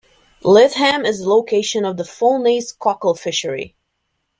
Lytham is the location of the Foulnaze cockle fishery.